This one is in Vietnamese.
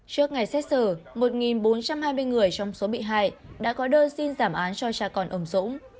trước ngày xét xử một bốn trăm hai mươi người trong số bị hại đã có đơn xin giảm án cho cha con ông dũng